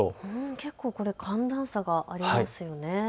結構、寒暖差がありますね。